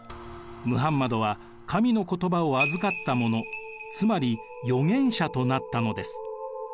ムハンマドは神の言葉を預かった者つまり預言者となったのです。